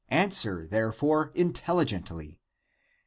Answer, therefore, intelligently.